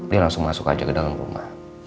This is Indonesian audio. dia langsung masuk aja ke dalem ma